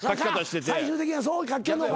最終的にはそう書きよんのか。